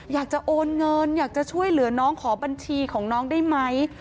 อยากจะโอนเงินอยากจะช่วยเหลือน้องขอบัญชีของน้องได้ไหม